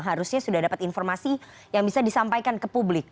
harusnya sudah dapat informasi yang bisa disampaikan ke publik